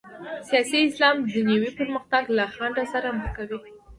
سیاسي اسلام دنیوي پرمختګ له خنډ سره مخ کوي.